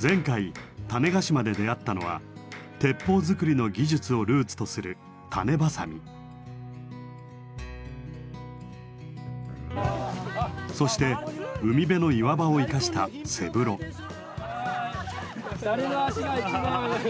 前回種子島で出会ったのは鉄砲づくりの技術をルーツとするそして海辺の岩場を生かした誰の脚が一番。